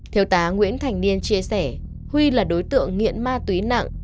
thiếu tá nguyễn thành niên chia sẻ huy là đối tượng nghiện ma túy nặng